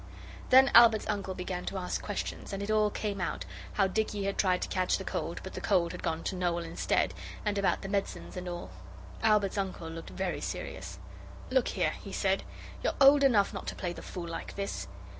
Then Albert's uncle began to ask questions, and it all came out, how Dicky had tried to catch the cold, but the cold had gone to Noel instead, and about the medicines and all. Albert's uncle looked very serious. 'Look here,' he said, 'You're old enough not to play the fool like this.